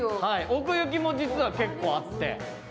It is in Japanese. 奥行きも実は結構あって。